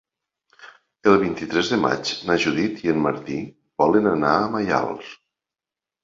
El vint-i-tres de maig na Judit i en Martí volen anar a Maials.